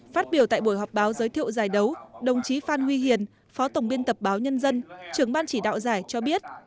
phát biểu tại buổi họp báo giới thiệu giải đấu đồng chí phan huy hiền phó tổng biên tập báo nhân dân trưởng ban chỉ đạo giải cho biết